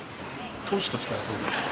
投手としてはどうですか、